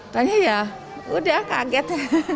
tanya ya udah kaget